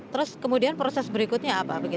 terus kemudian proses berikutnya apa